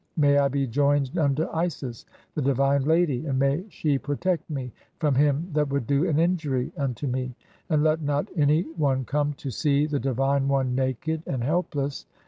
May I be joined unto Isis the divine lady, and may she "protect me (10) from him that would do an injury unto me ; "and let not any one come to see the divine one naked and "helpless.